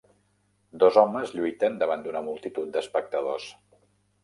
Dos homes lluiten davant d'una multitud d'espectadors.